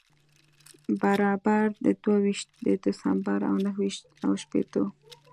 برابر د دوه ویشت د دسمبر و نهه ویشت و شپېتو.